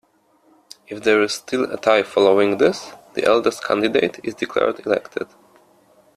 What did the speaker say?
If there is still a tie following this, the eldest candidate is declared elected.